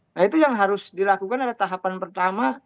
nah itu yang harus dilakukan ada tahapan pertama